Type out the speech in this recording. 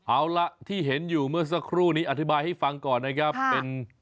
เอาล่ะที่เห็นอยู่เมื่อสักครู่นี้อธิบายให้ฟังก่อนนะครับเป็น